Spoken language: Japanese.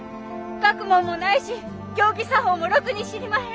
学問もないし行儀作法もろくに知りまへん。